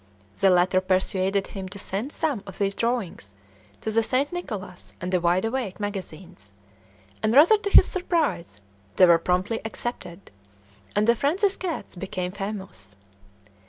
The latter persuaded him to send some of these drawings to the St. Nicholas and the Wide Awake magazines, and, rather to his surprise, they were promptly accepted, and the "Francis cats" became famous.